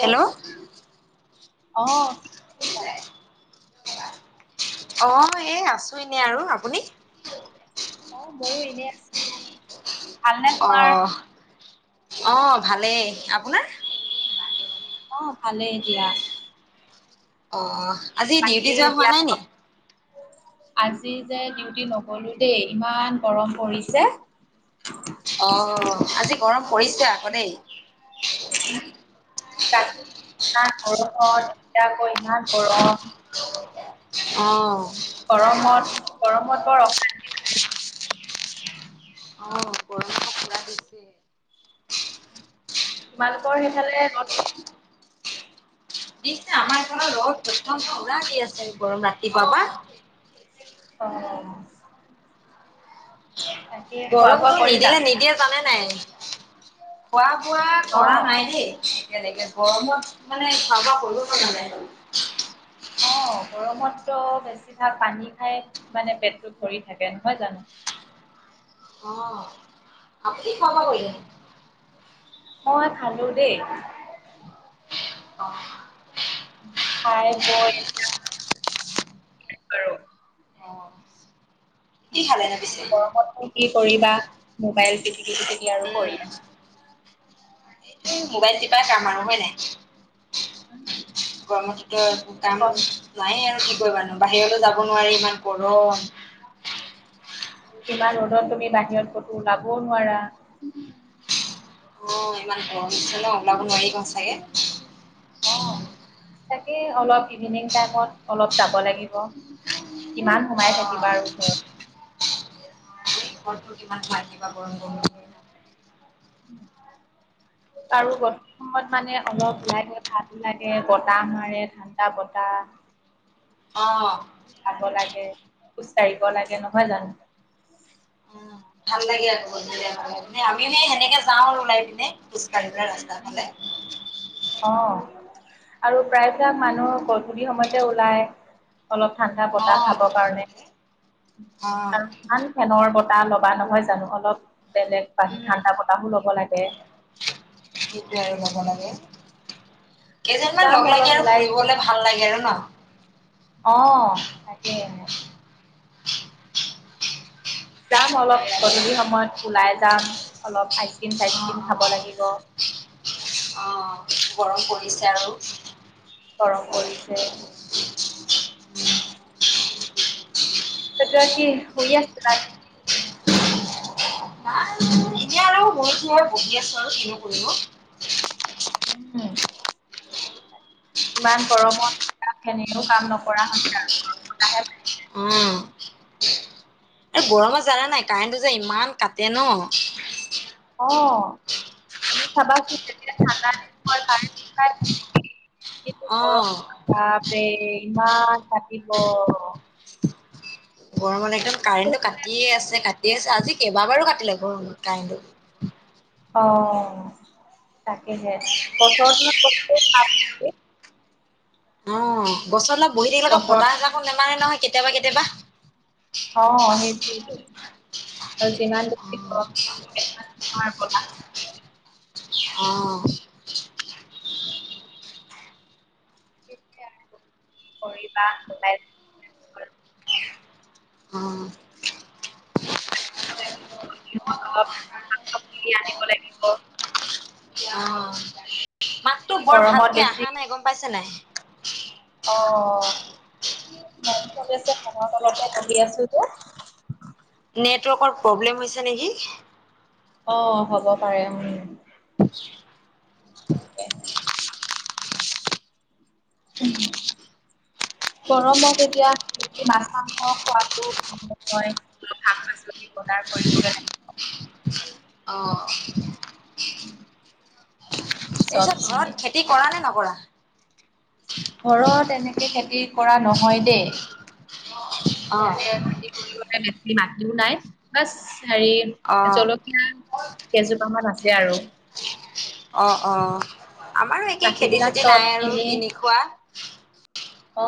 Hello কি অ মই এই আছোঁ এনেই আৰু আপুনি? অ মইয়ো এনেই আছোঁ অহ অহ ভালেই, আপোনাৰ? অ ভালেই দিয়া। অঁ বাকী এতিয়া আজি যে ডিউটি নগলো দেই, ইমান গৰম পৰিছে। অ আজি গৰম পৰিছে আকৌ দেই। উ ইমান গৰমত এতিয়া আকৌ ইমান গৰম। অ গৰমত গৰমত বৰ অশান্তি লাগে। অ প খ দিছে [unintelligible] তোমালোকৰ সেইফালে ৰ'দ দিছে? দিছে আমাৰ এই ফালে ৰদ প্ৰচণ্ড পোৰা দি আছে গৰম ৰাতিপুৱা পা। অ তাকে খোৱা বোৱা গৰমটো কৰিলা নিদিলে নিদিয়ে জানে নাই? খোৱা বোৱা অ কৰা নাই দেই। তেনেকে গৰমত মানে খোৱা বোৱা কৰিব মন নাযায়। অ গৰমততো বেছিভাগ পানী খাই মানে পেটটো ভৰি থাকে নহয় জানো? অ আপুনি খোৱা বোৱা কৰিলে নাই? মই খালোঁ দেই। অ চাৰে ফোন কৰিছে। [unintelligible] কৰো [unintelligible] অ কি খালেনো [inaudible] পিছে গৰমত নো কি কৰিবা, মোবাইল টিপি টিপি থাকি আৰু কৰিবা উম মোবাইল টিপা কাম আৰু হয় নাই। উম গৰমততো একো কাম নাইয়ে আৰু কি কৰিবা নো বাহিৰলৈ যাব নোৱাৰি ইমান গৰম। ইমান ৰ'দত তুমি বাহিৰত কতো ওলাবও নোৱাৰা। অ ইমান গৰম দিছে ন ওলাব নোৱাৰি ন সঁচাকে। অ তাকে অলপ ইভিনিং টাইমত অলপ যাব লাগিব। কিমান সোমাই থাকিবা আৰু ঘৰত। ঘৰত নো কিমান থাকিবা গৰম গৰম কে। পাৰোঁ গধুলি। সময়ত মানে অলপ ওলাই গলে ভালো লাগে বতাহ মাৰে ঠাণ্ডা বতাহ। অঁ খাব লাগে খোজ কাঢ়িব লাগে নহয় জানোঁ। উম ভাল লাগে আৰু গধূলি সময়ত আমি এনেই সেনেকে যাওঁ আৰু ওলাই পিনে। খোজকাঢ়িবলে ৰাস্তাৰ উম, ফালে। অ আৰু প্ৰায়বিলাক মানুহ গধুলি সময়তে ওলাই। অলপ ঠাণ্ডা বতাহ অ' খাব গধূলি কাৰণে, হ'লে অ' আৰু ধান ফেনৰ বতাহ ল'বা নহয় জানো অলপ বেলেগ বাহ উম। ঠাণ্ডা বতাহো ল'ব লাগে কিটোৱে আৰু ল'ব লাগে কেইজনমান যাম লগ অলপ লাগি আৰু ওলাই যাম। ফুৰিবলে ভাল লাগে আৰু ন অ তাকে যাম অলপ ন'? গধুলি সময়ত ওলাই যাম অলপ আইচক্ৰীম অ', চাইচক্ৰীিম খাব অ', লাগিব অ', গৰম পৰিছে আৰু গৰম কৰিছে তেতিয়া কি শুই আছিলা শুই শুই আৰু বহী আছো আৰু কিনো কৰিব উম ইমান গৰমত ফেনখন এনেও কাম নকৰা হৈছে আৰু গৰম বতাহে অ আৰু গৰমত জানা নাই কাৰেণ্টো যে ইমান কাটে ন অ ই চাবাচোন যেতিয়া ঠান্ডা দিন পৰে কাৰেন্ট সদায় থাকে কি যে গৰম অ'। বাপৰে ইমান থাকিব গৰমত একদম কাৰেণ্টটো আচলতে কাটিয়ে আছে কাটিয়ে আছে আজি কেইবাবাৰো কাটিলে গৰমত কাৰেণ্টটো অ তাকেহে বছৰচত নো কত কাট অ গছৰ তলত বহি থাকিলেও বছৰ বতাহ এজাক নামাৰে নহয় কেতিয়াবা কেতিয়াবা অ সেইটো আৰু যিমান [unintelligible] নায়ে বতাহ অ আৰু কৰিবা উপায় ত অঁ [unintelligible] অলপ [unintelligible] কিনি আনিব লাগিব অ মাততো বৰ গৰমত ভালকে বেছি অহা নাই গম পাইছে নাই অ ফেন চলি আছে ফেনৰ তলতে বহি আছো যে নেটৱৰ্কৰ প্ৰব্লেম হৈছে নেকি অ হ'ব পাৰে উম আ [inaudible] [unintelligible] [unintelligible] গৰমত এতিয়া [unintelligible] মাছ মাংস খোৱাদো বিয় শাক পাচলি বজাৰ কৰিছিলে। অ [unintelligible] ঘৰত খেতি চবজি কৰা নে নকৰা ঘৰত এনেকে খেতি কৰা নহয় দেই এনেকে খেতি কৰিবলৈ মাটতিও নাই বাছ হেৰি অ', জলকীয়া কেজোপামান আছে আৰু অ' অ' আমাৰো একেই বাকী খেতি বিলাক চেতি চব নাই আৰু এনেই কিনি খোৱা। অ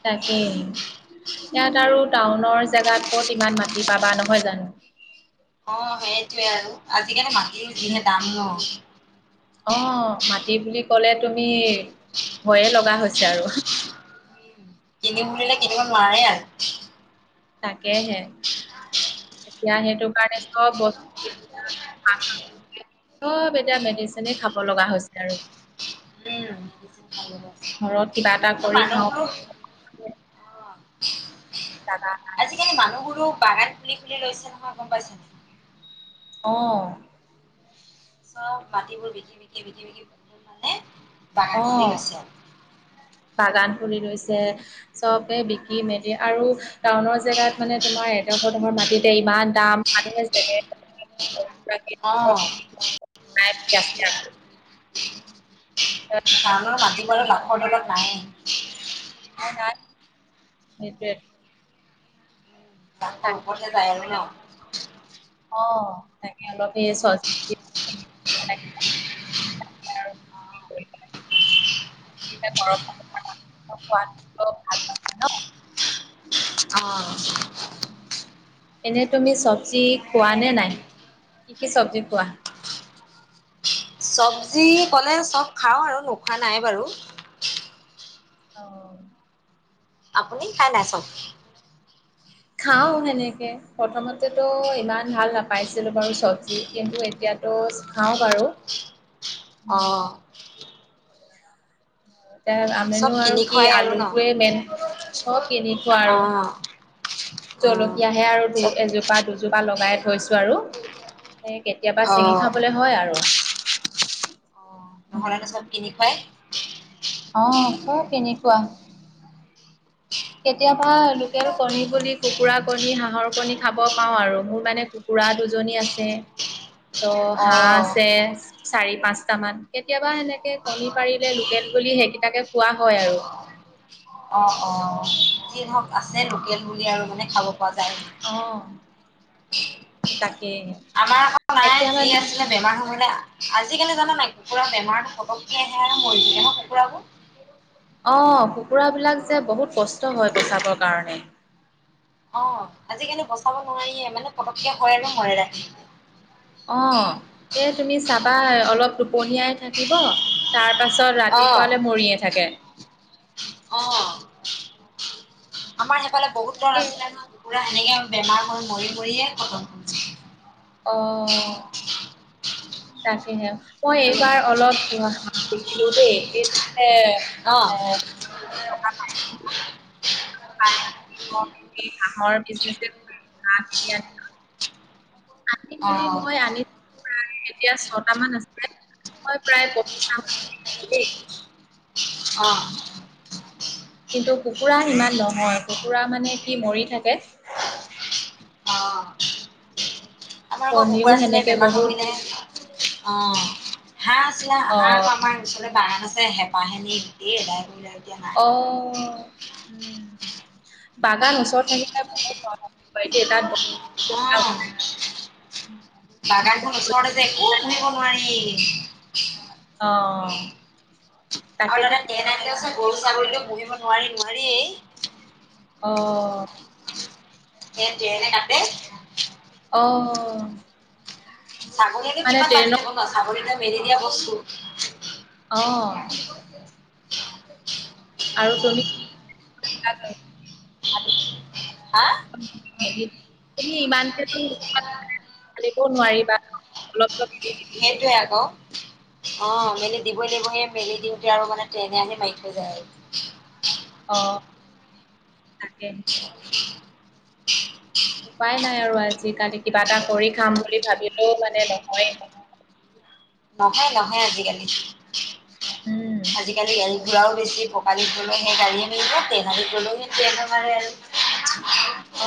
'তাকেই। ইয়াত আৰু টাউনৰ জেগাত ক'ত ইমান মাটি পাবা নহয় জানো। অ' সেইটোয়ে আৰু আজিকালি মাটিৰ উম, যিহে দাম ন অ মাটি বুলি ক'লে তুমি ভয়ে লগা হৈছে আৰু কিনিম বুলিলে কিনিব নোৱাৰে আৰু। তাকেহে। এতিয়া সেইটো কাৰণে চব বস্তু চব এতিয়া মেডিচিনে খাব লগা হৈছে আৰু। উম। ঘৰত কিবা এটা অ' কৰি খাওঁ মানুহবোৰো [inaudible] [unintelligible] আজিকালি মানুহবোৰো বাগান খুলি খুলি লৈছে নহয় গম পাইছা নাই। অ'। চব মাটিবোৰ বিকি বিকি বিকি বিকি [unintelligible] মানে বাগান খুলি অ' লৈছে আৰু। বাগান খুলি লৈছে চবে বিকি মেলি আৰু টাউনৰ জেগাত মানে তোমাৰ এ [unintelligible] তোমাৰ মাটিতে ইমান দাম, মানুহে অ', [unintelligible] [unintelligible] টাউনৰ মাটিবোৰো লাখৰ তলত নায়েই। এই নাই। সেইটোৱে। লাখৰ ওপৰতহে যায় আৰু ন'? অ' তাকে অলপ এই চ অ'। এনে তুমি চবজি খোৱা নে নাই? কি কি চবজি খোৱা? চবজি ক'লে চব খাওঁ আৰু, নোখোৱা নাই বাৰু। অ'। আপুনি খাই নাই চব? খাওঁ হেনেকে। প্ৰথমতেতো ইমান ভাল নাপাইছিলোঁ বাৰু চবজি কিন্তু এতিয়াতো খাওঁ বাৰু। অ'। এতিয়া চব আমিনো আৰু কিনি কি, খুৱাই আৰু ন? আলুটোৱে মেইন, চব কিনি খোৱা আৰু। অ', অ', জলকীয়াহে আৰু চব দু-এযোপ পা দুজোপা লগাই থৈছোঁ আৰু, সেই কেতিয়াবা চিঙি অ', খাবলৈ হয় আৰু। অ', নহ'লেনো চব কিনি খুৱাই। অ' চব কেনেকুৱা। কেতিয়াবা লোকেল কণী বুলি, কুকুৰা কণী, হাঁহৰ কণী খাব পাওঁ আৰু, মোৰ মানে কুকুৰা দুজনী আছে ত' হাঁহ অ', আছে। চাৰি পাঁচটা মান। কেতিয়াবা সেনেকে কণী পাৰিলে লোকেল বুলি সেইকেইটাকে খোৱা হয় আৰু। অ', অ' যি ধৰক আছে লোকেল বুলি আৰু মানে খাব পৰা যায়। সেই তাকে। আমাৰ আকৌ নাই, যি আছিলে বেমাৰ হ'বলৈ আজিকালি জানা নাই কুকুৰাৰ বেমাৰ পটককে আহে আৰু মৰি যায় কুকুৰাবোৰ। অ' কুকুৰাবিলাক যে বহুত কষ্ট হয় বচাবৰ কাৰণে। অ' আজিকালি বচাব নোৱাৰিয়ে, মানে পটককে হয় আৰু মৰে ৰাতি। অ' এই তুমি চাবা অলপ টোপনীয়াই থাকিব তাৰপাছত অ', ৰাতিপুৱালে মৰিয়ে থাকে। অ' আমাৰ সেইফালে বহুত ঘৰ তাকে আছিলে নহয়। পুৰা সেনেকে বেমাৰ হৈ মৰি মৰিয়ে খতম। হৈছে। অ'। তাকেহে। মই আৰু এইবাৰ অলপ [unintelligible] দেখিলো দেই এইটো যে অ এ অহা নাই [unintelligible] নাই আহা নেকি হাঁহৰ বিজনেছে কৰিম হাঁহ কিনি আনিম আনি অ মেলি মই অ আনি প্ৰায় এতিয়া ছটা মান আছে মই প্ৰায় [unintelligible] দেই অ কিন্তু কুকুৰা ইমান নহয় কুকুৰা মানে কি মৰি থাকে অ আমাৰ আকৌ কণীও কুকুৰা আছিলে সেনেকে বেমাৰ হৈ বহুত মৰিলে অ হাঁহ আছিলে অ হাঁহ আকৌ আমাৰ পিছফালে বাগান আছে হেপাহে নি গোটেই এদাই কৰিলে এতিয়া হাহঁ অ উম বাগান ওচৰত থাকিলে বহুত ভয় হয় [unintelligible] অ বাগানখন ওচৰতে যে একো পোহিব নোৱাৰি অ আৰু তাকেতো তাতে তেন আহিলেও চোন গৰু ছাগলীও পুহিব নোৱাৰি নোৱাৰিয়ে অ সেই ট্ৰেনে কাটে অ ছাগলী নো মানে কিমান বান্ধি ট্ৰেইনত থব বাৰু ছাগলী ত মেলি দিয়া বস্তু অ আৰু তুমি [unintelligible] হা [unintelligible] তুমি ইমানকে তু [unintelligible] [unintelligible] নোৱাৰিবা অলপ অলপ [unintelligible] সেইটোৱে আকৌ অ মেলি দিবই লাগিব হে মেলি দিওঁতে আৰু মানে ট্ৰেনে আহি মাৰি থৈ যায় আৰু অ তাকে [unintelligible] উপায় নাই আৰু আজিকালি কিবা এটা কৰি খাম বুলি ভাবিলেও মানে নহয় নহয় নহয় আজিকালি উম, আজিকালি গাড়ী ঘোৰাও বেছি হল বালিত গলৌ হে গাড়ীয়ে নেৰিব ট্ৰেন আলিত গলৌ হে ট্ৰেনে মাৰে আৰু অ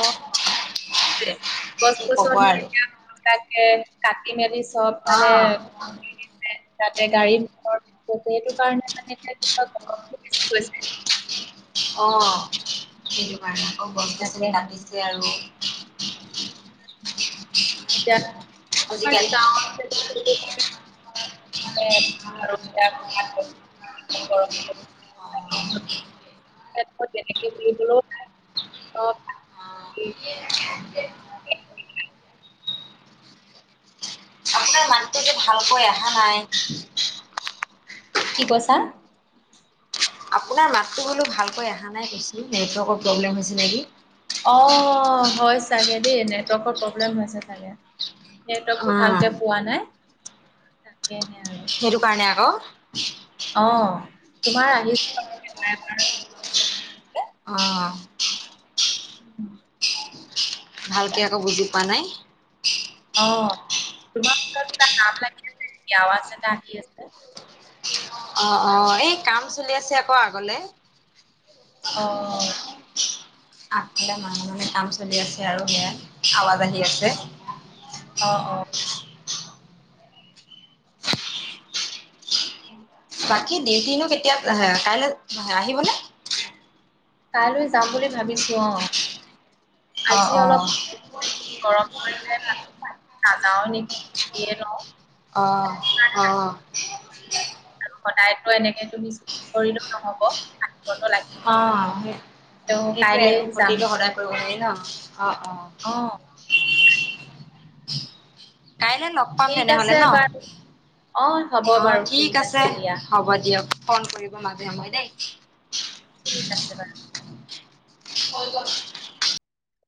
কি ক'ব গছ-গছনি আৰু [unintelligible] কাটি মেলি চব অ মানে তাতে গাড়ীত [unintelligible] সেইটো কাৰণে মানে এয়া কিবা গৰমটো বেছি হৈছে অ সেইটো কাৰণে আকৌ তাকে গছ-গছনি কাটিছে আৰু তিয়া আজিকালি আমাৰ [unintelligible] [unintelligible] [unintelligible] অ [unintelligible] অ অ [unintelligible] আপোনাৰ মাতটো যে ভালকৈ আহা নাই কি কৈছা আপোনাৰ মাতটো ব'লো ভালকৈ অহা নাই বেছি নেটৱৰ্কৰ প্ৰব্লেম হৈছে নেকি অ হয় চাগে দেই নেটৱৰ্কৰ প্ৰব্লেম হৈছে চাগে অ নেটৱৰ্কটো ভালকে পোৱা নাই তাকেহে আৰু সেইটো কাৰণে আক অ তোমাৰ আহিছ [unintelligible] অঁ। উ [unintelligible] ভালকে আকৌ বুজি পোৱা নাই। অঁ তোমাৰ ফালৰ কিবা লাগি আছে নিকি? আৱাজ এটা আহি আছে। অঁ অঁ এই কাম চলি আছে আকৌ আগলে। অ', আগফালে মানুহে মানে কাম চলি আছে আৰু সেয়া আৱাজ আহি আছে। [unintelligible] অ' অ' উ [unintelligible] বাকী দিউটিনো কেতিয়া হে কাইলে আহিবনে? কাইলৈ যাম বুলি ভাবিছো অঁ, অ', আজি অলপ। অ', গৰম বন্ধত [unintelligible] নাযাওঁ নেকি। ইয়ে যাব অঁ অঁ। সদায়টো এনেকে তুমি কৰিলেও নহ'ব। আহিবতো লাগিবই অঁ সেই, ত' সেইটোৱে কাইলে আৰু যাম ক্ষতিটো সদায় কৰিব নোৱাৰি ন' অঁ অঁ। অঁ কাইলে ল'গ পাম ঠিক আছে তেনেহ'লে ন'? বাৰু অ' হ'ব অঁ বাৰু ঠিক আছে, দিয়া হ'ব দিয়ক। ফোন কৰিব মাজে সময় হ'ব দেই। ঠিক আছে বাৰু। হৈ গ'ল।